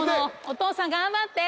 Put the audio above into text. お父さん頑張って。